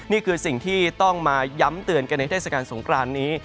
นี่คือสิ่งที่ต้องมาย้ำเตือนกันในเทศกาลสงครานนี้